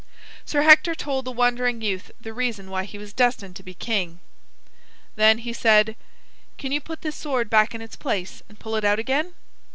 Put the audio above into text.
Sir Hector told the wondering youth the reason why he was destined to be king. Then he said: "Can you put this sword back in its place and pull it out again?"